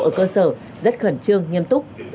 ở cơ sở rất khẩn trương nghiêm túc